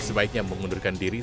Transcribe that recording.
sebaiknya mengundurkan diri